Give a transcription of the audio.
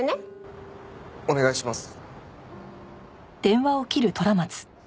お願いします。